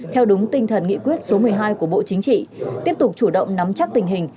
theo đúng tinh thần nghị quyết số một mươi hai của bộ chính trị tiếp tục chủ động nắm chắc tình hình